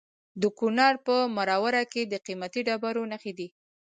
د کونړ په مروره کې د قیمتي ډبرو نښې دي.